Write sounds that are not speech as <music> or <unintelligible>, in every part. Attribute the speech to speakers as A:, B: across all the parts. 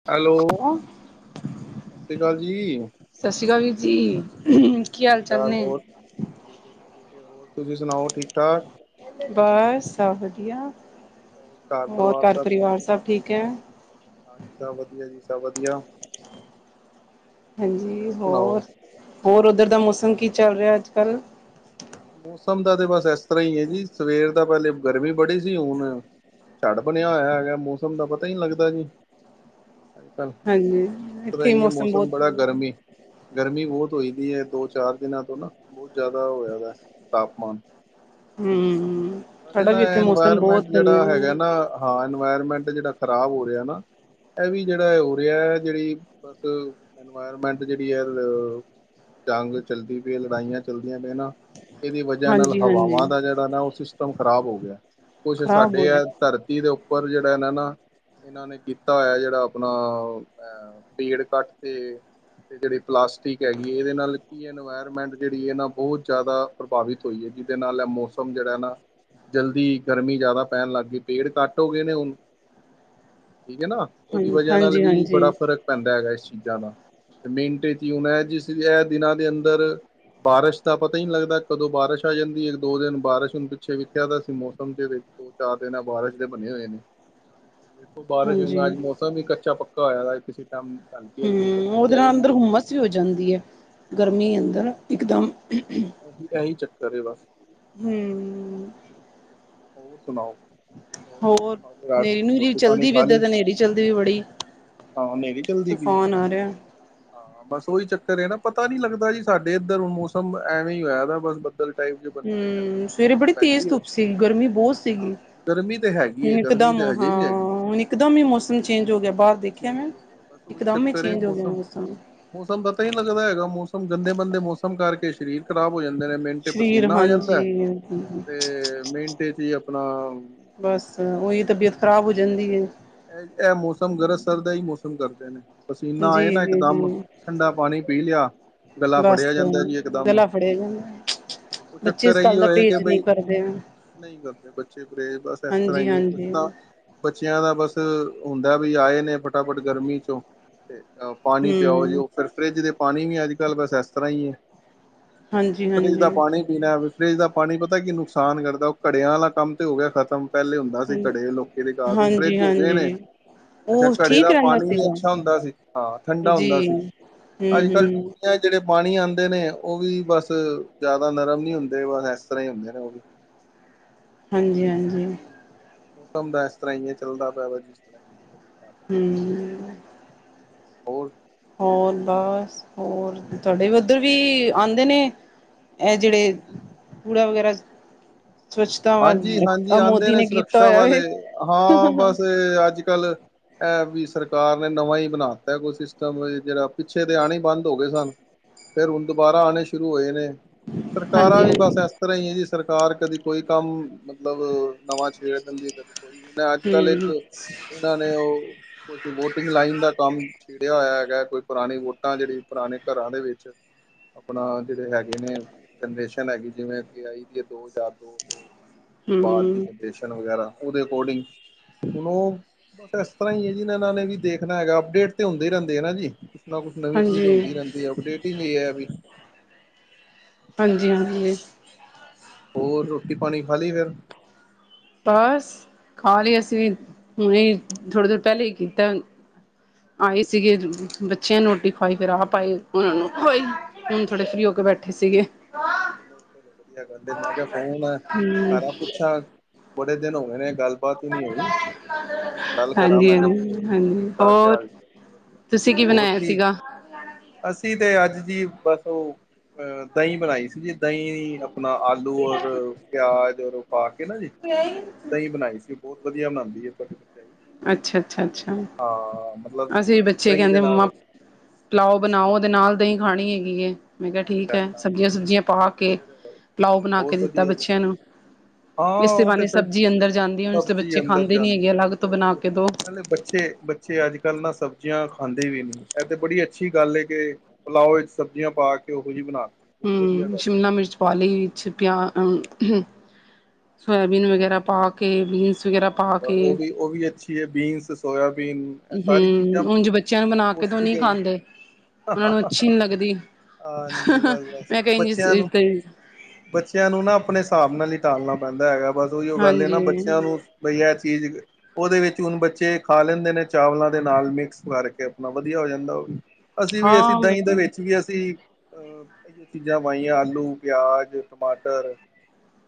A: <inaudible>
B: Hello, ਸਤਿ ਸ਼੍ਰੀ ਅਕਾਲ ਜੀ।
A: ਸਤਿ ਸ੍ਰੀ ਅਕਾਲ ਵੀਰ ਜੀ, ਕੀ ਹਾਲ
B: ਸ਼੍ਰੀ
A: ਚਾਲ
B: ਅਕਾਲ,
A: ਨੇ?
B: ਹੋਰ ਠੀਕ ਹੈ ਜੀ ਠੀਕ ਹੋਰ ਤੁਸੀਂ ਸੁਣਾਓ ਠੀਕ-ਠਾਕ?
A: ਬਸ ਸਭ ਵਧੀਆ,
B: ਹੋਰ
A: ਹੋਰ
B: ਪਰਿਵਾਰ
A: ਘਰ
B: ਸਭ
A: ਪਰਿਵਾਰ
B: ਠੀਕ ਹੈ
A: ਸਭ
B: ਜੀ?
A: ਠੀਕ ਏ?
B: ਹਾਂਜੀ ਸਭ ਵਧੀਆ ਜੀ ਸਭ ਵਧੀਆ।
A: ਹਾਂਜੀ
B: ਹੋਰ ਸੁਣਾਓ?
A: ਹੋਰ-ਹੋਰ ਉੱਧਰ ਦਾ ਮੌਸਮ ਕੀ ਚੱਲ ਰਿਹਾ ਅੱਜ-ਕੱਲ੍ਹ?
B: ਮੌਸਮ ਦਾ ਤੇ ਬਸ ਇਸ ਤਰ੍ਹਾਂ ਹੀ ਐ ਜੀ ਸਵੇਰ ਦਾ ਪਹਿਲੇ ਗਰਮੀ ਬੜੀ ਸੀ ਹੁਣ ਝੜ ਬਣਿਆ ਹੋਇਆ ਹੈਗਾ ਮੌਸਮ ਦਾ ਪਤਾ ਹੀ ਲੱਗਦਾ ਜੀ। ਅੱਜ-ਕੱਲ
A: ਹਾਂਜੀ
B: ਪਤਾਂ
A: ਇੱਥੇ
B: ਈ ਐ ਮੌਸਮ
A: ਬਹੁਤ
B: ਬੜਾ ਗਰਮ ਗਰਮੀ ਬਹੁਤ ਹੋਈ ਦੀ ਐ, ਦੋ ਚਾਰ ਦਿਨਾਂ ਤੋਂ ਨਾ ਬਹੁਤ ਜ਼ਿਆਦਾ ਹੋਇਆ ਦਾ ਤਾਪਮਾਨ।
A: ਹੂੰ,
B: ਕਦੇ ਨਾ ਇਨਵਾਇਰਮੈਂਟ ਜਿਹੜਾ ਹੈਗਾ ਨਾ ਹਾਂ ਇਨਵਾਇਰਮੈਂਟ ਜਿਹੜਾ ਖ਼ਰਾਬ ਹੋ ਰਿਹਾ ਨਾ ਇਹ ਵੀ ਜਿਹੜਾ ਹੋ ਰਿਹਾ ਐ, ਜਿਹੜੀ ਬਸ ਇਨਵਾਇਰਮੈਂਟ ਜਿਹੜੀ ਅ ਜੰਗ ਚੱਲਦੀ ਪਈ ਐ ਲੜਾਈਆਂ ਚੱਲਦੀਆਂ ਪਈਆਂ ਨਾ ਇਹਦੀ ਵਜ੍ਹਾ ਨਾਲ
A: ਹਾਂਜੀ ਹਾਂਜੀ
B: ਹਵਾਵਾਂ ਦਾ ਜਿਹੜਾ ਨਾ ਉਹ ਸਿਸਟਮ ਖ਼ਰਾਬ ਹੋ ਗਿਆ। ਕੁਛ
A: ਖ਼ਰਾਬ ਹੋ
B: ਸਾਡੇ
A: ਰਿਹਾ
B: ਐ ਧਰਤੀ ਦੇ ਉੱਪ ਉੱਪਰ ਜਿਹੜਾ ਇਹ ਨਾ, ਇਹਨਾਂ ਨੇ ਕੀਤਾ ਐ ਜਿਹੜਾ ਆਪਣਾ ਅ ਪੇੜ ਕੱਟ ਤੇ, ਤੇ ਜਿਹੜੀ ਪਲਾਸਟਿਕ ਹੈਗੀ ਇਹਦੇ ਨਾਲ ਕਿ ਇਨਵਾਇਰਮੈਂਟ ਜਿਹੜੀ ਐ ਨਾ ਬਹੁਤ ਜ਼ਿਆਦਾ ਪ੍ਰਭਾਵਿਤ ਹੋਈ ਐ ਜਿਹਦੇ ਨਾਲ ਮੌਸਮ ਜਿਹੜਾ ਐ ਨਾ ਜਲਦੀ ਗਰਮੀ ਜ਼ਿਆਦਾ ਪੈਣ ਲੱਗ ਗਈ ਪੇੜ ਕੱਟ ਹੋ ਗਏ ਨੇ ਹੁਣ ਠੀਕ ਐ ਨਾ।
A: ਹਾਂ
B: ਉਹਦੀ ਵਜ੍ਹਾ ਨਾਲ
A: ਹਾਂਜੀ
B: ਵੀ
A: ਹਾਂਜੀ
B: ਬੜਾ ਫ਼ਰਕ ਪੈਂਦਾ ਹੈਗਾ ਇਸ ਚੀਜ਼ਾਂ ਦਾ ਮਿੰਟੇ ਚ ਹੀ ਹੁਣ ਐ ਜਿਸ ਇਹ ਦਿਨਾਂ ਦੇ ਅੰਦਰ ਬਾਰਿਸ਼ ਦਾ ਪਤਾ ਹੀ ਨੀ ਲੱਗਦਾ ਕਦੋਂ ਬਾਰਿਸ਼ ਆ ਜਾਂਦੀ ਇੱਕ ਦੋ ਦਿਨ ਬਾਰਿਸ਼ ਹੁਣ ਪਿੱਛੇ ਵੀ ਲਿਖਿਆ ਤਾਂ ਸੀ ਮੌਸਮ ਦੇ ਵਿੱਚ ਦੋ ਚਾਰ ਦਿਨ ਬਾਰਿਸ਼ ਦੇ ਬਣੇ ਹੋਏ ਨੇ। ਦੇਖੋ ਬਾਰਿਸ਼
A: ਹਾਂਜੀ
B: ਹਨਾ ਅੱਜ ਮੌਸਮ ਵੀ ਕੱਚਾ ਪੱਕਾ ਹੋਇਆ ਕਿਸੇ ਟਮ।
A: ਹਮ ਉਹਦੇ ਨਾਲ ਅੰਦਰ ਹੁੰਮਸ ਵੀ ਹੋ ਜਾਂਦੀ ਹੈ। ਗਰਮੀ ਅੰਦਰ ਇੱਕਦਮ।
B: ਇ ਇਹੀ ਚੱਕਰ ਬਸ।
A: ਹਮ <unintelligible>
B: ਹੋਰ ਸੁਣਾਓ।
A: ਹੋਰ
B: ਅੱਜ ਰਾਤ
A: ਹਨੇਰੀ ਨੂੰ
B: ਰੋਟੀ ਪਾਣੀ
A: ਚੱਲਦੀ ਵੀ
B: ਖਾ
A: ਇੱਧਰ
B: ਲਈ
A: ਤੇ ਹਨੇਰੀ ਚੱਲਦੀ ਵੀ ਬੜੀ।
B: ਹਾਂ ਹਨੇਰੀ ਚੱਲਦੀ ਪਈ
A: ਤੂਫਾਨ ਆ ਰਿਹਾ।
B: ਹਾਂ ਬਸ ਉਹੀ ਚੱਕਰ ਹੈ ਨਾ ਪਤਾ ਨੀ ਲੱਗਦਾ ਜੀ ਸਾਡੇ ਇੱਧਰ ਮੌਸਮ ਐਵੇਂ ਹੀ ਹੋਇਆ ਬਸ ਬੱਦਲ। ਟਾਈਪ ਜ ਬਣੇ ਧੁਪ ਹੈਗੀ ਹੈ।
A: ਅਤੇ ਗਰਮੀ ਬਹੁਤ। ਸੀ
B: ਹਾਂ ਗਰਮੀ ਤੇ ਹੈਗੀ ਹੈ
A: ਹੁਣ
B: ਗਰਮੀ
A: ਇਕਦਮ
B: ਤੇ ਹਜੇ
A: ਹਾਂ
B: ਵੀ ਹੈਗੀ
A: ਹੁਣ ਇਕਦਮ ਹੀ ਮੌਸਮ ਚੇਂਜ ਹੋ ਗਿਆ। ਬਾਹਰ ਦੇਖਿਆ ਮੈਂ।
B: ਚੇਂਜ ਹੋ ਗਿਆ ਬਸ ਉਹੀ
A: ਇਕਦਮ ਹੀ
B: ਚੱਕਰ ਹੈ
A: ਚੇਂਜ ਹੋ ਗਿਆ ਮੌਸਮ।
B: ਮੌਸਮ ਤਾਂ ਤਾਂ ਹੀ ਲੱਗਦਾ ਹੈਗਾ ਮੌਸਮ ਗੰਦੇ ਮੰਦੇ ਮੌਸਮ ਕਰਕੇ ਸਰੀਰ। ਖਰਾਬ ਹੋ ਜਾਂਦੇ ਨੇ ਮਿੰਟੇ
A: ਸਰੀਰ
B: ਪਸੀਨਾ ਆ ਜਾਂਦਾ।
A: ਹਾਂਜੀ
B: ਤੇ ਮਿੰਟੇ ਚ ਹੀ ਆਪਣਾ।
A: ਬਸ ਉਹੀ ਤਬੀਅਤ ਖ਼ਰਾਬ ਹੋ ਜਾਂਦੀ ਏ।
B: ਇਹ ਇਹ ਮੌਸਮ ਗਰਤਸਰ ਦਾ ਹੀ ਮੌਸਮ ਕਰਦੇ ਨੇ। ਪਸੀਨਾ ਆਏ
A: ਜੀ
B: ਨਾ
A: ਜੀ ਜੀ
B: ਇਕਦਮ ਠੰਡਾ ਪਾਣੀ ਪੀ ਲਿਆ। ਗੱਲਾਂ
A: ਬਸ
B: ਫੜਿਆ ਜਾਂਦਾ ਜੀ ਇਕਦਮ।
A: ਗਲਾ ਫੜਿਆ ਜਾਂਦਾ।
B: ਉਹ
A: ਬੱਚੇ
B: ਚੱਕਰ
A: ਇਸ
B: ਆਏ
A: ਗੱਲ
B: ਹੋ
A: ਦਾ
B: ਹੈ ਕਿ
A: ਪਰਹੇਜ਼ ਨਹੀਂ
B: ਬਾਈ।
A: ਕਰਦੇ
B: ਨਹੀਂ ਕਰਦੇ ਬੱਚੇ ਪਰੇਜ਼ ਬਸ ਇਸ ਤਰ੍ਹਾਂ
A: ਹਾਂਜੀ
B: ਹੀ ਕੁਛ
A: ਹਾਂਜੀ।
B: ਤਾਂ। ਬੱਚਿਆਂ ਦਾ ਬਸ ਹੁੰਦਾ ਵੀ ਆਏ ਨੇ ਫਟਾਫਟ ਗਰਮੀ ਚੋਂ ਤੇ। ਅ ਪਾਣੀ ਪਿਆਓ
A: ਹੂੰ
B: ਜੋ ਫਿਰ ਫਰਿੱਜ ਦੇ ਪਾਣੀ ਨੀ ਅੱਜ ਕੱਲ ਬਸ ਐਸ ਤਰ੍ਹਾਂ ਈ ਏ।
A: ਹਾਂਜੀ
B: ਫਰੀਜ਼ ਦਾ
A: ਹਾਂਜੀ
B: ਪਾਣੀ। ਪੀਣਾ ਫਰਿਜ ਦਾ ਪਾਣੀ ਪਤਾ ਕੀ ਨੁਕਸਾਨ ਕਰਦਾ ਓ ਘੜਿਆਂ ਆਲਾ ਕੰਮ ਤੇ ਹੋ ਗਿਆ ਖ਼ਤਮ। ਪੈਲੇ ਹੁੰਦਾ ਸੀ ਘੜੇ ਲੋਕੀ ਦੇ <unintelligible>
A: ਹਾਂਜੀ
B: ਫਰਿੱਜ। ਗਏ ਨੇ
A: ਹਾਂਜੀ
B: ਅੱਛਾ
A: ਓ
B: ਘੜੇ
A: ਠੀਕ
B: ਦਾ
A: ਰੈਂਦਾ
B: ਪਾਣੀ ਵੀ
A: ਸੀਗਾ
B: ਅੱਛਾ ਹੁੰਦਾ ਸੀ ਹਾਂ ਠੰਡਾ
A: ਜੀ। ਹੂੰ-ਹੂੰ।
B: ਜੇੜ੍ਹੇ ਪਾਣੀ ਆਂਦੇ ਨੇ ਓ ਵੀ ਬਸ ਜਾਦਾ ਨਰਮ ਨੀ ਹੁੰਦੇ ਬਸ ਐਸ ਤਰ੍ਹਾਂ ਈ ਹੁੰਦੇ ਨੇ ਓ ਵੀ।
A: ਹਾਂਜੀ ਹਾਂਜੀ
B: ਬਾਕੀ ਮੌਸਮ ਦਾ ਐਸ ਤਰ੍ਹਾਂ ਈ ਐ ਚੱਲਦਾ ਪਿਆ ਵਾ ਜਿਸ ਤਰ੍ਹਾਂ।
A: ਹੂੰ।
B: ਹੋਰ।
A: ਹੋਰ ਬਸ ਹੋਰ ਤੁਹਾਡੇ ਉੱਧਰ ਵੀ ਆਂਦੇ ਨੇ। ਐ ਜੇੜ੍ਹੇ ਕੂੜਾ ਵਗੈਰਾ। ਸਵੱਛਤਾ ਵੱਲ
B: ਹਾਂਜੀ-ਹਾਂਜੀ ਆਂਦੇ
A: ਮੋਦੀ
B: ਨੇ
A: ਕੀਤਾ
B: ਸੁਰਕਸ਼ਾ
A: ਹੋਇਆ
B: ਵਾਲੇ
A: ਵੇ
B: ਹਾਂ ਬਸ ਅੱਜ ਕਲ਼। ਐ ਵੀ ਸਰਕਾਰ ਨੇ ਨਵਾਂ ਈ ਬਣਾ ਦਿੱਤਾ ਕੋਈ ਸਿਸਟਮ ਓ ਜੇੜਾ ਪਿੱਛੇ ਤੇ ਆਣੇ ਈ ਬੰਦ ਹੋਗੇ ਸਨ। ਫਿਰ ਹੁਣ ਦੁਬਾਰਾ ਆਣੇ ਸ਼ੁਰੂ ਹੋਏ ਨੇ। ਸਰਕਾਰਾਂ
A: ਹਾਂਜੀ
B: ਵੀ
A: ਹਾਂਜੀ
B: ਬਸ ਐਸ ਤਰ੍ਹਾਂ ਈ ਐ ਜੀ ਸਰਕਾਰ ਕਦੀ ਕੋਈ ਕੰਮ ਮਤਲਬ। ਨਵਾਂ ਛੇੜ ਦਿੰਦੀ ਕਦੇ ਕੋਈ ਨ ਅੱਜ ਕੱਲ
A: ਹੂੰ
B: ਇੱਕ ਏਨਾਂ ਨੇ ਓ। ਕੁੱਛ ਵੋਟਿੰਗ ਲਾਈਨ ਦਾ ਕੰਮ। ਚਿੜਿਆ ਹੋਇਆ ਹੈਗਾ ਕੋਈ ਪੁਰਾਣੀ ਵੋਟਾਂ ਜੇੜੀ ਪੁਰਾਣੇ ਘਰਾਂ ਦੇ ਵਿੱਚ। ਆਪਣਾ ਜੇੜ੍ਹੇ ਹੈਗੇ ਨੇ ਜਨਰੇਸ਼ਨ ਹੈਗੀ ਜਿਵੇਂ ਅ ਆਈ ਦੀ ਐ ਦੋ ਹਜਾਰ ਦੋ। ਤੋ ਬਾਦ ਦੀ
A: ਹੂੰ
B: ਜਨਰੇਸ਼ਨ ਵਗੈਰਾ ਓਦੇ ਅਕੋਰਡਿੰਗ। ਹੁਣ ਓ ਬਸ ਇਸ ਤਰ੍ਹਾਂ ਈ ਐ ਜੀ ਏਨਾਂ ਨੇ ਵੀ ਦੇਖਣਾ ਹੈਗਾ ਅਪਡੇਟ ਤੇ ਹੁੰਦੇ ਈ ਰੈਂਦੇ ਨਾ ਜੀ। ਨਾ ਕੁੱਛ ਨਵੀਂ ਚੀਜ਼
A: ਹਾਂਜੀ
B: ਹੁੰਦੀ ਰੈਂਦੀ ਐ ਅਪਡੇਟਿੰਗ ਏ ਐ ਵੀ।
A: ਹਾਂਜੀ-ਹਾਂਜੀ।
B: ਹੋਰ ਰੋਟੀ-ਪਾਣੀ ਖਾਲੀ ਫੇਰ।
A: ਬਾਸ ਖਾਲੀ ਅਸੀਂ ਵੀ ਹੁਣੇ ਥੋੜੀ ਦੇਰ
B: ਅੱਛਾ
A: ਪੈਲੇ ਈ ਕੀਤੈ। ਆਏ ਸੀਗੇ ਬੱਚੇ ਨੂੰ ਰੋਟੀ ਖਵਾਈ ਫੇਰ ਆਪ ਆਏ। ਓਨਾ ਨੂੰ ਖਵਾਈ
B: ਅੱਛਾ
A: ਹੁਣ ਥੋੜੇ ਫ੍ਰੀ ਹੋ ਕੇ ਬੈਠੇ ਸੀਗੇ।
B: ਨਈ ਚਲੋ ਵਧੀਆ ਗੱਲ ਏ ਮੈਂ ਕਿਆ ਫੋਨ
A: ਹਮ ਹਾਂਜੀ
B: ਕਰਾਂ ਪੁੱਛਾਂ ਬੜੇ ਦਿਨ ਹੋਗੇ ਨੇ ਗੱਲ ਗੱਲਬਾਤ ਹੀ ਨਹੀਂ ਹੋਈ ਤੇ ਕਰਾਂ
A: ਹਾਂਜੀ,
B: ਮੈਂ ਕਿਹਾ ਪੁੱਛ
A: ਹਾਂਜੀ,
B: ਠੀਕ
A: ਹਾਂਜੀ
B: ਠਾਕ
A: ਹੋਰ?
B: ਹਾਲ ਚਾਲ
A: ਤੁਸੀਂ ਕੀ ਬਣਾਇਆ ਸੀਗਾ?
B: ਅਸੀਂ ਤੇ ਅੱਜ ਜੀ ਬਸ ਓ ਅ ਦਈ ਬਣਾਈ ਸੀਗੀ ਦਈ ਆਪਣਾ ਆਲੂ ਔਰ ਪਿਆਜ ਔਰ ਪਾ ਕੇ ਨਾ ਜੀ ਦਈ ਬਣਾਈ ਸੀ। ਬੋਤ ਵਧੀਆ ਬਨਾਦੀ ਏ ਘਰੇ।
A: ਅੱਛਾ, ਅੱਛਾ, ਅੱਛਾ,
B: ਮਤਲਬ
A: ਅਛਾ ਏ ਬੱਚੇ
B: ਦਹੀਂ ਦੇ
A: ਕੈਂਦੇ
B: ਨਾਲ
A: ਮੰਮਾ
B: ਰੋਟੀ
A: ਪਿਲਾਓ ਬਣਾਓ ਓਦੇ ਨਾਲ ਦਹੀਂ ਖਾਣੀ ਹੈਗੀ ਏ। ਮੈਂ ਕਿਆ ਠੀਕ
B: ਅੱਛਾ
A: ਐ
B: ਅੱਛਾ
A: ਸਬਜ਼ੀਆਂ ਸੁਬਜ਼ੀਆਂ ਪਾ
B: ਬੜੀ
A: ਕੇ
B: ਵਧੀਆ ਗੱਲ
A: ਪਲਾਓ ਬਣਾ ਕੇ
B: ਬਹੁਤ
A: ਦਿੱਤਾ
B: ਵਧੀਆ ਜੀ
A: ਬੱਚੇਆਂ ਨੂੰ।
B: ਹਾਂ
A: ਏਸਤੇ
B: ਉਹ ਤੇ
A: ਬਾਨੀ
B: ਫਿਰ
A: ਸਬਜ਼ੀ ਅੰਦਰ ਜਾਂਦੀ ਐ ਉਂਜ ਤਾਂ ਬੱਚੇ ਖਾਂਦੇ ਨੀ ਹੈਗੇ ਅਲੱਗ ਤੋਂ
B: ਬੋਤ
A: ਬਣਾ
B: ਵਧੀਆ
A: ਕੇ ਦੋ
B: ਨਾਲੇ ਬੱਚੇ ਬੱਚੇ ਅੱਜਕੱਲ੍ਹ ਨਾ ਸਬਜ਼ੀਆਂ ਖਾਂਦੇ ਵੀ ਨੀ ਐ ਤੇ ਬੜੀ ਅੱਛੀ ਗੱਲ ਹੈ ਕਿ ਪਲਾਓ ਵਿੱਚ ਸਬਜ਼ੀਆਂ ਪਾ ਕੇ ਓਹੋ ਜੀ ਬਣਾਤੀ। ਬਹੁਤ ਵਧੀਆ
A: ਹੂੰ,
B: ਗੱਲ
A: ਸ਼ਿਮਲਾ ਮਿਰਚ ਪਾਲੀ ਵਿੱਚ ਪਿਆ
B: ਅੱਛਾ
A: ਅ ਸੋਇਆਬੀਨ ਵਗੈਰਾ ਪਾ ਕੇ ਬੀਨਸ ਸ ਵਗੈਰਾ ਪਾ ਕੇ
B: ਓ ਵੀ ਅੱਛੀ ਬੀਨਸ, ਸੋਇਆਬੀਨ। ਇਹ ਸਾਰੀ ਚੀਜ਼ਾਂ
A: ਹੂੰ, ਉਂਝ ਬੱਚਿਆਂ ਨੂੰ ਬਣਾ ਕੇ ਦੋ
B: ਪੌਸ਼ਟਿਕ
A: ਨਈ
B: ਹੈਗੀ
A: ਖਾਂਦੇ। ਓਨਾਂ ਨੂੰ ਅੱਛੀ ਨੀ ਲੱਗਦੀ
B: ਹਾਂਜੀ ਬਸ ਬਸ
A: ਮੈ
B: ਬੱਚਿਆਂ ਨੂੰ ਬੱਚਿਆਂ ਨੂੰ ਨਾ ਆਪਣੇ ਸਾਬ ਨਾਲ ਈ ਟਾਲਣਾ ਪੈਂਦਾ ਹੈਗਾ ਬਸ ਓਹੀਓ ਗੱਲ ਐ
A: ਹਾਂਜੀ
B: ਨਾ ਬੱਚੇ ਬਈ ਐ ਚੀਜ਼ ਉਹਦੇ ਵਿੱਚ ਹੁਣ ਬੱਚੇ ਖਾ ਲੈਂਦੇ ਨੇ ਚਾਵਲਾਂ ਦੇ ਨਾਲ ਮਿਕਸ ਕਰਕੇ ਆਪਣਾ ਵਧੀਆ ਹੋ ਜਾਂਦਾ ਓ ਵੀ ਅਸੀਂ ਵੀ ਅਸੀਂ
A: ਹਾਂ ਹਮ
B: ਦਹੀਂ ਦੇ ਵਿੱਚ ਵੀ ਅਸੀਂ ਅ ਕਈ ਚੀਜ਼ਾਂ ਪਾਈਆਂ ਆਲੂ, ਪਿਆਜ, ਟਮਾਟਰ।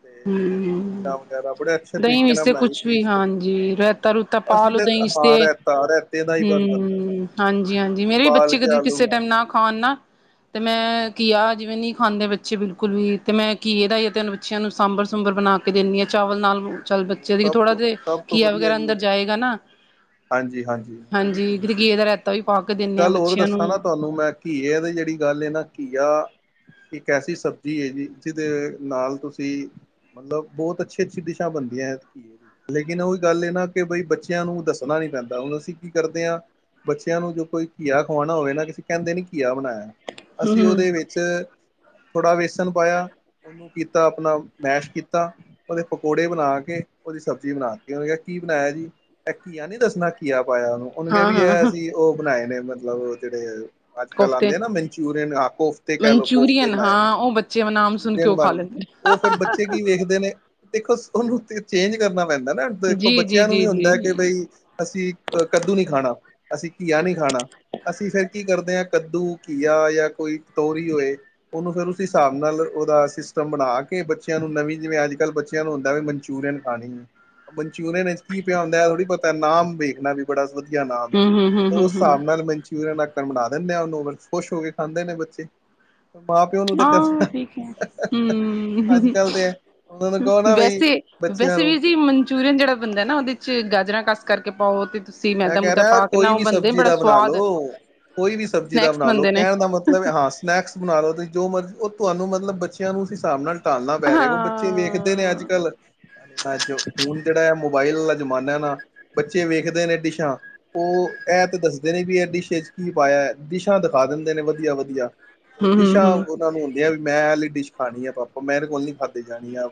B: ਤੇ ਫੇਰ ਮਿਰਚਾਂ ਵਗੈਰਾ ਬੜੇ ਅੱਛੇ
A: ਦਹੀਂ
B: ਤਰੀਕੇ
A: ਵਿੱਚ
B: ਨਾਲ
A: ਤੇ ਕੁਛ ਵੀ ਹਾਂਜੀ ਰੈਤਾ ਰੂਤਾ ਪਾ
B: ਅਸੀਂ
A: ਲੋ
B: ਤਾਂ
A: ਦਹੀਂ ਚ
B: ਹਾਂ
A: ਤੇ
B: ਰੈਤਾ ਰੈਤੇ ਦਾ ਈ ਬਣਦਾ ਸਾਰਾ
A: ਹੂੰ, ਹਾਂਜੀ-ਹਾਂਜੀ ਮੇਰੇ ਵੀ
B: ਉਬਾਲ
A: ਬੱਚੇ
B: ਕੇ
A: ਕਦੀ
B: ਆਲੂ
A: ਕਿਸੇ
B: ਬਣਾਏ
A: ਟੈਮ ਨਾ ਖਾਣ ਨਾ ਤੇ ਮੈਂ ਘੀਆ ਜਿਵੇਂ ਨਈ ਖਾਂਦੇ ਬੱਚੇ ਬਿਲਕੁਲ ਵੀ ਤੇ ਮੈਂ ਘੀਏ ਏਦਾ ਤੇ ਬੱਚਿਆਂ ਨੂੰ ਸਾਂਬਰ ਸੁੰਬਰ ਬਣਾ ਕੇ ਦੀਣੀ ਆਂ ਚਾਵਲ ਨਾਲ ਚੱਲ
B: ਉਹ
A: ਬੱਚੇ ਦੀ
B: ਸਭ
A: ਥੋੜਾ
B: ਤੋਂ
A: ਜੇ
B: ਸਭ
A: ਘੀਆ ਵਗੈਰਾ ਅੰਦਰ ਜਾਏਗਾ ਨਾ
B: ਹਾਂਜੀ-ਹਾਂਜੀ ਓ ਵੀ
A: ਹਾਂਜੀ
B: ਠੀਕ
A: ਕਿਤੇ ਘੀਏ ਦਾ ਰਾਇਤਾ ਵੀ ਪਾ ਕੇ
B: ਇੱਕ
A: ਦਿੰਦੇ ਹਾਂ
B: ਗੱਲ ਹੋਰ
A: ਬੱਚਿਆਂ ਨੂੰ
B: ਦੱਸਾਂ ਨਾ ਤੁਹਾਨੂੰ ਮੈਂ ਘੀਆ ਦੀ ਜੇੜੀ ਗੱਲ ਐ ਨਾ ਘੀਆ ਇੱਕ ਐਸੀ ਸਬਜ਼ੀ ਏ ਜੀ ਜੀਦੇ ਨਾਲ ਤੁਸੀਂ ਮਤਲਬ ਬੋਤ ਅੱਛੀ-ਅੱਛੀ ਡਿਸ਼ਾ ਬਣਦੀਐ ਲੇਕਿਨ ਓਈ ਗੱਲ ਏ ਨਾ ਕਿ ਬਈ ਬੱਚੇਆਂ ਨੂੰ ਦ ਦੱਸਣਾ ਨੀ ਪੈਂਦਾ ਹੁਣ ਅਸੀਂ ਕੀ ਕਰਦੇ ਆ ਬੱਚੇਆਂ ਨੂੰ ਜੋ ਕੋਈ ਘੀਆ ਖਵਾਣਾ ਹੋਵੇ ਨਾ ਅਸੀ ਕਹਿੰਦੇ ਨੀ ਘੀਆ ਬਣਾਇਆ ਅਸੀਂ
A: ਹੂੰ
B: ਉਦੇ ਵਿੱਚ ਥੋੜ੍ਹਾ ਵੇਸਣ ਪਾਇਆ ਓਨੂੰ ਕੀਤਾ ਆਪਣਾ ਮੈਸ਼ ਕੀਤਾ ਓਦੇ ਪਕੌੜੇ ਬਣਾ ਕੇ ਓਦੀ ਸਬਜ਼ੀ ਬਨਾਤੀ ਓਨੇ ਕਿਆ ਕੀ ਬਣਾਇਆ ਜੀ ਇਹ ਘੀਆ ਨੀ ਦੱਸਣਾ ਘੀਆ ਪਾਇਆ ਓਨੂੰ ਕੈ ਵੀ ਹ
A: ਹਾਂ-ਹਾਂ
B: ਅਸੀਂ ਉਹ ਬਣਾਏ ਨੇ ਮਤਲਬ ਜਿਹੜੇ ਅੱਜ-ਕੱਲ
A: ਕੋਫਤੇ
B: ਆਂਦੇ ਨਾ ਮਨਚੂਰੀਅਨ ਆ ਕੋਫਤੇ ਕੈ ਲੋਂ ਕੋਫਤੇ
A: ਮਨਚੂਰੀਅਨ
B: ਬਨਾਏ ਨੇ।
A: ਹਾਂ ਉਹ ਬੱਚੇ ਨਾਮ ਸੁਣ ਕੇ
B: ਮਨਚੂਰੀਅਨ
A: ਉਹ ਖਾ
B: ਬਨ
A: ਲੈਂਦੇ
B: ਓ ਫੇਰ ਬੱਚੇ ਕੀ ਵੇਖਦੇ ਨੇ ਦੇਖੋ ਓਨੂੰ ਤੇ ਚੇਂਜ ਕਰਨਾ ਪੈਂਦੈ ਨਾ। ਦੇਖੋ ਬੱਚੇਆਂ ਨੂੰ ਵੀ
A: ਜੀ-ਜੀ-ਜੀ-ਜੀ
B: ਹੁੰਦੈ ਅਸੀ ਅ ਕੱਦੂ ਨੀ ਖਾਣਾ, ਅਸੀ ਘੀਆ ਨੀ ਖਾਣਾ ਅਸੀ ਫੇਰ ਕੀ ਕਰਦੇ ਆਂ ਕੱਦੂ, ਘੀਆ ਯਾਂ ਕੋਈ ਕ ਤੋਰੀ ਹੋਏ ਓਨੂੰ ਫੇਰ ਉਸ ਹਿਸਾਬ ਨਾਲ ਓਦਾ ਸਿਸਟਮ ਬਣਾ ਕੇ ਬੱਚੇਆਂ ਨੂੰ ਨਵੀਂ ਜਿਵੇਂ ਅੱਜ-ਕੱਲ੍ਹ ਬੱਚੇਆਂ ਨੂੰ ਹੁੰਦੈ ਵਈ ਮਨਚੂਰੀਅਨ ਖਾਣੀ, ਮਨਚੂਰੀਅਨ ਏੱਚ ਕੀ ਪਿਆ ਹੁੰਦੈ ਓ ਨੀ ਪਤਾ, ਨਾਮ ਵੇਖਣਾ ਵੀ ਬੜਾ ਵ ਧੀਆ ਨਾਮ ਐ ਤੇ ਓਸ
A: ਹੂੰ-ਹੂੰ-ਹੂੰ-ਹੂੰ-ਹੂੰ
B: ਸਾਬ ਨਾਲ ਮਨਚੂਰੀਅਨ ਆਕਣ ਬਣਾ ਦੇਨੇਂ ਆ ਓਨੂੰ। ਬ ਖੁਸ਼ ਹੋ ਕੇ ਖਾਂਦੇ ਨੇ ਬੱਚੇ। ਮਾਂ ਪਿਓ ਨੂੰ ਤੇ
A: ਹਾਂ, ਠੀਕ ਐ
B: ਕਰਨਾ ਅੱਜ
A: ਹੂੰ।
B: ਕੱਲ ਤੇ ਉਹਨਾਂ ਨੂੰ ਕਹੋ ਨਾ ਬਈ
A: ਵੈਸੇ,
B: ਬੱਚਿਆਂ
A: ਵੈਸੇ
B: ਨੂੰ
A: ਵੀਰ ਜੀ ਮਨ ਚੂਰੀਅਨ ਜੜਾ ਬਨਦੈ ਨਾ ਓਦੇ 'ਚ ਗਾਜਰਾਂ ਕਸ ਕਰਕੇ ਪਾਓ ਤੇ ਤੁਸੀਂ
B: ਮੈਂ
A: ਮੈਦਾ
B: ਕੈ
A: ਮੂਦਾ
B: ਰਾ
A: ਪਾ ਕੇ ਨਾ
B: ਕੋਈ
A: ਉਹ
B: ਵੀ
A: ਬਣਦੇ
B: ਸਬਜ਼ੀ
A: ਬੜਾ
B: ਦਾ ਬਨਾ
A: ਸਵਾਦ
B: ਲੋ। ਕੋਈ ਵੀ ਸਬਜ਼ੀ ਦਾ
A: ਸਨੈਕਸ
B: ਬਨਾ ਲੋ
A: ਬਣਦੇ ਨੇ
B: ਕੈਨ ਦਾ ਮਤਲਬ ਐ ਹਾਸ ਸਨੈਕਸ ਬਣਾ ਲੋ ਤੇ ਜੋ ਮਰਜ ਓ ਤੁਆਨੂੰ ਮਤਲਬ ਬੱਚੇਆਂ ਨੂੰ ਉਸ ਹਿਸਾਬ ਨਾਲ ਢਾਲਣਾ ਪੈ ਰਿਐ ਕੇ ਓ ਬੱਚੇ ਵੇਖ ਨੇ
A: ਹਾਂ
B: ਅੱਜ-ਕਲ ਅੱਜ ਹੁਣ ਜੇੜਾ ਏ ਮੋਬਾਇਲ ਆਲਾ ਜ਼ਮਾਨਾ ਐ ਨਾ ਬੱਚੇ ਵੇਖਦੇ ਨੇ ਦਿਸ਼ਾ ਓ ਐ ਤੇ ਦੱਸਦੇ ਨੇ ਵੀ ਐ ਡਿਸ਼ ਏੱਚ ਕੀ ਪਾਏਐ। ਡਿਸ਼ਾ ਦਖਾ ਦਿੰਦੇ ਨੇ ਵਧੀਆ-ਵਧੀਆ ਓ
A: ਹੂੰ ਹੂੰ
B: ਦਿਸ਼ਾ
A: ਹੂੰ
B: ਓਨਾ ਨੂੰ ਵੀ ਐ ਵਲ ਮੈਂ ਐਲੀ ਡਿਸ਼ ਖਾਣੀ ਏ ਪਾਪਾ ਮੈਂਰੇ ਕੋਲ ਨੀ ਖਾਦੇ ਜਾਣੀ ਐ।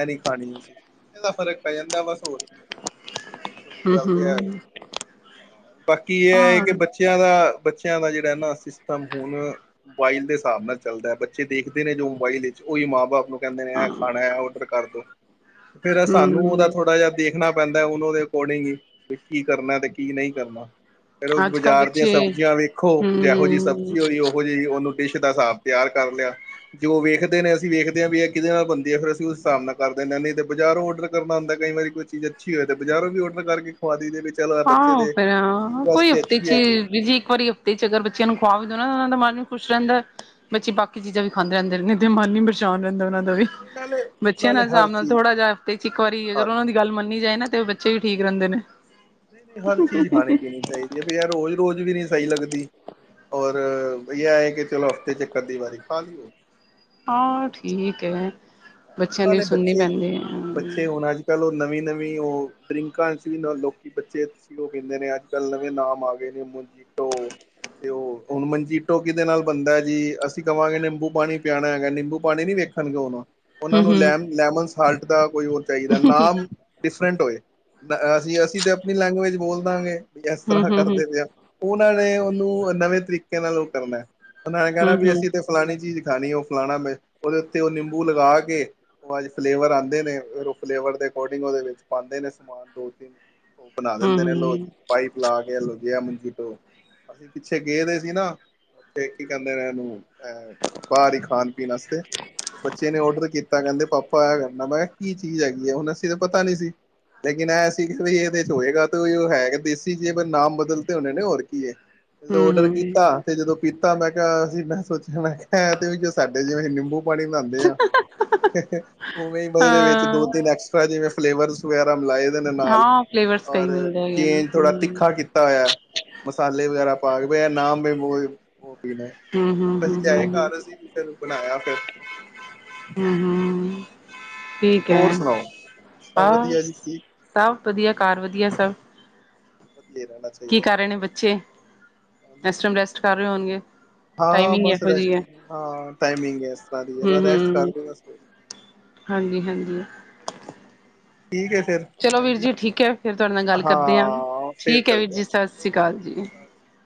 B: ਐ ਨੀ ਖਾਣੀ ਅਸੀ ਏਦਾ ਫਰਕ ਪੈ ਜਾਂਦਾ ਬਸ ਹੋਰ ਕੀ। ਸਭ ਤੋਂ ਵੱਡੀ
A: ਹੂੰ
B: ਗੱਲ ਤੇ ਐ ਵੇ।
A: ਹੂੰ
B: ਬਾਕੀ ਏ ਐ
A: ਹਾਂ
B: ਕਿ ਬੱਚੇਆਂ ਦਾ, ਬੱਚੇਆਂ ਦਾ ਜੇੜਾ ਐ ਨਾ ਸਿਸਟਮ ਹੁਣ ਮੋਬਾਇਲ ਦੇ ਸਾਬ ਨਾਲ ਚੱਲਦੈ। ਬੱਚੇ ਦੇਖਦੇ ਨੇ ਜੋ ਮੋਬਾਈਲ ਏੱਚ, ਓਈ ਮਾਂ-ਬਾਪ ਨੂੰ ਕੈਂਦੇ ਨੇ
A: ਹਾਂ
B: ਐ ਖਾਨੈ ਐ ਔਡਰ ਕਰ ਦੋ। ਫੇਰ ਅ ਸਾਨੂੰ ਓਦਾ
A: ਹੂੰ
B: ਥੋੜਾ ਜੇਆ ਦੇਖਣਾ ਪੈਂਦੈ ਓਨਹੋ ਦੇ ਅਕੋਰਡਿੰਗ ਹੀ ਵੀ ਕੀ ਕਰਨੈ ਤੇ ਕੀ ਨੀ ਕਰਨਾ। ਫੇਰ ਓਸ
A: ਅੱਜ ਕੱਲ੍ਹ
B: ਬਜਾਰ ਦੀਆਂ
A: ਬੱਚੇ
B: ਸਬਜੀਆਂ ਵੇਖੋ ਜੈਹੋ ਜੀ
A: ਹੂੰ
B: ਸਬਜ਼ੀ ਹੋਏਗੀ ਓਹੋ ਜੀ ਓਨੂੰ ਡਿਸ਼ ਦਾ ਸਾਬ ਤੇਆਰ ਕਰ ਲਿਆ। ਜੇ ਓ ਵੇਖਦੇ ਨੇ ਅਸੀ ਵੇਖਦੇ ਆਂ ਵੀ ਐ ਕਿਦੇ ਨਾਲ ਬਨਦੀ ਐ ਫੇਰ ਅਸੀ ਉਸ ਸਾਬ ਨਾਲ ਕਰ ਦੇਨੇ ਆ ਨਈ ਤੇ ਬਜਾਰੋਂ ਔਡਰ ਕਰਨਾ ਹੁੰਦੈ ਕਈ ਵਾਰੀ। ਕੋਈ ਚੀਜ ਅੱਛੀ ਹੋਏ ਤੇ ਬਜਾਰੋਂ ਵੀ ਔਡਰ ਕਰਕੇ ਖਵਾ ਦਈ ਦੇ ਨੇ।
A: ਹਾਂ ਫੇਰ ਹਾਂ ਕੋਈ ਹਫ਼ਤੇ 'ਚ
B: ਹੈਗੀ
A: ਈ
B: ਹੈ
A: ਬੀਜ਼ੀ ਇੱਕ ਵਾਰੀ ਤੇ 'ਚ ਅਗਰ ਬੱਚੇਆਂ ਨੂੰ ਖੁਵਾ ਵੀ ਦੇਨਾ ਨਾ ਓਨਾਂ ਦਾ ਮਨ ਵੀ ਖੁਸ਼ ਰੈਂਦੈ। ਬੱਚੇ ਬਾਕੀ ਚੀਜਾਂ ਵੀ ਖਾਂਦੇ ਰੈਂਦੇ ਨੇ। ਤੇ ਮਨ ਵੀ ਪਰਛਾਨ ਰੈਂਦਾ ਓਨਾਂ ਦਾ ਵੀ।
B: ਤੇ ਨਾਲੇ
A: ਬੱਚੇਆਂ
B: ਨਾਲੇ
A: ਨਾ
B: ਹਰ
A: ਹਿਸਾਬ ਨਾਲ
B: ਚੀਜ਼
A: ਥੋੜਾ ਜਿਆ ਹਫ਼ਤੇ 'ਚ ਇੱਕ ਵਾਰੀ
B: ਹਰ
A: ਅਗਰ ਓਨਾਂ ਦੀ ਗੱਲ ਮੰਨੀ ਜਾਏ ਨਾ ਤੇ ਓ ਬੱਚੇ ਵੀ ਠੀਕ ਰੈਂਦੇ ਨੇ।
B: ਨਈ-ਨਈ ਹਰ ਚੀਜ਼ ਖਾਣੀ ਪੀਣੀ ਚਾਈਦੀ ਐ। ਬਈ ਐ ਰੋਜ-ਰੋਜ ਵੀ ਨੀ ਸਈ ਲੱਗਦੀ। ਔਰ ਬਈ ਐ ਏ ਕਿ ਚਲੋ ਹਫ਼ਤੇ 'ਚ ਇੱਕ ਅੱਧੀ ਵਾਰੀ ਖਾ ਲਈ
A: ਹਾਂ ਠੀਕ ਏ।
B: ਪੈਲੇ ਬੱਚੇ ਬੱਚੇ ਹੁਣ ਅੱਜ ਕਾੱਲ ਓ ਨਵੀਂ-ਨਵੀਂ ਓ ਡਰਿੰਕਾਂ ਏੱਚ ਵੀ ਨ ਲੋਕੀ ਬੱਚੇ ਬੀ ਓ ਕੈਂਦੇ ਨੇ ਅੱਜ ਕਾੱਲ ਨਵੇਂ ਨਾਮ ਆ ਗਏ ਨੇ ਮੋਜੀਟੋ ਤੇ ਓ ਹੁਣ ਮੰਜੀਟੋ ਕਿਦੇ ਨਾਲ ਬਣਦੈ ਜੀ ਅਸੀ ਕਵਾਂਗੇ ਨਿੰਬੂ ਪਾਣੀ ਪਿਆਣਾ ਹੈਗੈ ਨਿੰਬੂ ਪਾਣੀ ਨੀ ਵੇ ਖਣਗੇ ਹੁਣ। ਓਨਾਂ ਨੂੰ
A: ਹੂੰ-ਹੂੰ,
B: ਲੈਮ ਲੈਮਨ ਸਾਲਟ ਦਾ ਕੋਈ ਓ ਚਾਈਦੈ ਨਾਮ ਡਿਫਰੈਂਟ ਹੋਏ। ਨ ਅ ਅਸੀ ਅਸੀ ਤੇ ਆਪਣੀ ਲੈਂਗੁਏਜ ਬੋਲ ਦਾਂਗੇ ਵੀ ਐਸ ਤਰ੍ਹਾਂ
A: ਹੂੰ-ਹੂੰ, ਹੂੰ-ਹੂੰ,
B: ਕਰਦੇ ਪਏ ਆਂ। ਓਨਾਂ ਨੇ ਓਨੂੰ ਐ ਨਵੇਂ ਤਰੀਕੇ ਨਾਲ ਓ ਕਰਨੈ। ਓਨਾਂ ਨੇ ਕੈਨੈ ਵੀ
A: ਹੂੰ-ਹੂੰ,
B: ਅਸੀ ਤੇ ਫਲਾਨੀ ਚੀਜ ਖਾਨੀ ਏ, ਓ ਫਲਾਨਾ ਮੈਂ ਓਦੇ ਉੱਤੇ ਓ ਨਿੰਬੂ ਲਗਾ ਕੇ ਤੇ ਓ ਅੱਜ ਫਲੇਵਰ ਆਂਦੇ ਨੇ ਔਰ ਓ ਫਲੇਵਰ ਦੇ ਅਕੋਰਡਿੰਗ ਓਦੇ ਵਿੱਚ ਪਾਂਦੇ ਨੇ ਸਮਾਨ ਦੋ-ਤਿੰਨ ਓ ਬਨਾ ਦਿੰਦੇ ਨੇ ਲੋ ਪਾਈਪ ਲਾ ਕੇ ਐ ਲੋ ਜੀ ਐ ਮੰਜੀਟੋ। ਅਸੀਂ ਪਿੱਛੇ ਗਏ ਦੇ ਸੀ ਨਾ, ਉੱਥੇ ਕੀ ਕਹਿੰਦੇ ਨੇ ਇਹਨੂੰ। ਬਾਹਰੀ ਹੀ ਖਾਣ ਪੀਣ ਵਾਸਤੇ, ਬੱਚੇ ਨੇ ਔਡਰ ਕੀਤਾ। ਕੀਤਾ ਕਹਿੰਦੇ ਪਾਪਾ ਇਹ ਖਾਣਾ ਮੈਂ ਕਿਹਾ ਕੀ ਚੀਜ਼ ਹੈਗੀ ਐ ਹੁਣ ਅਸੀਂ ਤਾਂ ਪਤਾ ਨੀ ਸੀ। ਲੇਕਿਨ ਐ ਸੀ ਇਹਦੇ 'ਚ ਹੋਏਗਾ ਤੇ ਉਹੀ ਹੋ ਨਹੀਂ ਸੀ ਕਈ ਵਾਰੀ ਨਾਮ ਬਦਲਤੇ ਹੋਣੇ ਨੇ ਹੋਰ ਕੀ ਐ। ਔਡਰ
A: ਹੂੰ-ਹੂੰ।
B: ਕੀਤਾ ਤੇ ਜਦੋਂ ਪੀਤਾ ਮੈਂ ਕਿਹਾ ਮੈਂ ਸੋਚਿਆ ਮੈਂ ਕਿਹਾ ਇਹ ਤੇ ਸਾਡੇ ਜਿਵੇਂ ਨਿੰਬੂ ਪਾਣੀ ਬਣਾਦੇ ਆਂ।
A: <inaudible>
B: ਉਵੇਂ ਮਤਲਬ ਇਹਦੇ ਵਿੱਚ ਦੋ
A: ਹਾਂ,
B: ਤਿੰਨ ਐਕਸਟਰਾ ਜਿਵੇਂ ਫਲੇਵਰ। ਵਗੈਰਾ ਮਿਲਾਏ ਦੇ ਨੇ ਨਾਲ,
A: ਹਾਂ ਫਲੇਵਰਸ ਕਈ
B: ਔਰ
A: ਮਿਲਦੇ ਹੈਗੇ ਨੇ
B: ਚੇਂਜ ਥੋੜਾ
A: ਹੂੰ।
B: ਤਿੱਖਾ ਕੀ ਕੀਤਾ ਹੋਇਆ, ਮਸਾਲੇ ਵਗੈਰਾ ਪਾ ਕੇ ਬਈ ਇਹ ਨਾਮ ਅਸੀ ਲਿਆਏ
A: ਹੂੰ-ਹੂੰ-ਹੂੰ-ਹੂੰ-ਹੂੰ,
B: ਘਰ ਅਸੀ ਫਿਰ ਬਣਾਇਆ ਫਿਰ।
A: ਹੂੰ-ਹੂੰ ਠੀਕ ਐ,
B: ਹੋਰ ਸੁਣਾਓ
A: ਆ
B: ਸਭ ਵਧੀਆ
A: ਬਸ।
B: ਜੀ ਠੀਕ
A: ਸਭ ਵਧੀਆ ਘਰ ਵਧੀਆ ਸਭ।
B: ਹੱਥ ਦੀਆਂ ਨਾੜਾਂ 'ਚ।
A: ਕੀ ਕਰ ਰਹੇ ਨੇ ਬੱਚੇ,
B: ਹਾਂਜੀ
A: ਇਸ ਟਾਈਮ ਰੈਸਟ ਕਰ ਰਹੇ ਹੋਣਗੇ।
B: ਹਾਂ
A: ਟਾਈਮਿੰਗ
B: ਬਸ
A: ਇਹੋ ਜਿਹੀ
B: ਰੈਸਟ
A: ਹੈ
B: ਹਾਂ ਟਾਈਮਿੰਗ ਐ ਇਸ ਤਰ੍ਹਾਂ ਦੀ ਰੈਸਟ
A: ਹੂੰ-ਹੂੰ,
B: ਕਰ ਰਹੇ ਹਾਂ ਬਸ।
A: ਹਾਂਜੀ-ਹਾਂਜੀ।
B: ਠੀਕ ਐ ਫੇਰ।
A: ਚਲੋ ਵੀਰ ਜੀ ਠੀਕ ਐ ਫੇਰ ਤੁਹਾਡੇ ਨਾਲ ਗੱਲ ਕਰਦੇ ਆ
B: ਹਾਂ ਫਿਰ
A: ਠੀਕ ਐ ਵੀਰ
B: ਕਰਦੇ ਆ।
A: ਜੀ। ਸਤਿ ਸ੍ਰੀ ਅਕਾਲ
B: ਓਕੇ
A: ਜੀ।
B: ਸਤਿ ਸ਼੍ਰੀ ਅਕਾਲ